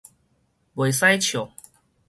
袂使笑